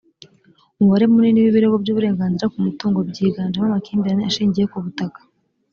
umubare munini w’ibirego by’uburenganzira ku mutungo byiganjemo amakimbirane ashingiye ku butaka.